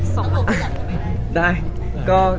ถึงเวลาคอย